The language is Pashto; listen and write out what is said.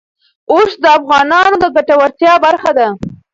اوښ د افغانانو د ګټورتیا برخه ده.